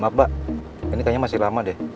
maaf pak ini kayaknya masih lama deh